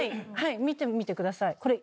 見てみてください。